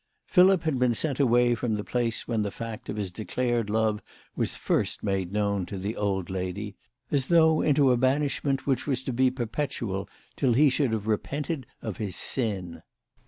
Philip had been sent away from the place when the fact of his declared love was first made known to the old lady, as though into a banishment which was to be perpetual till he should have repented of his sin.